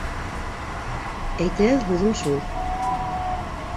- Әйтәһе һүҙем шул.